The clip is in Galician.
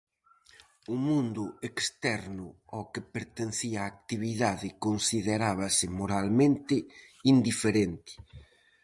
O mundo externo ao que pertencía a actividade considerábase moralmente indiferente.